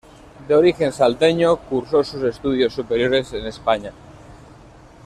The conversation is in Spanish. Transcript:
De origen salteño, cursó sus estudios superiores en España.